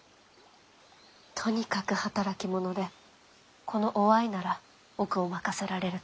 とにかく働き者でこの於愛なら奥を任せられると。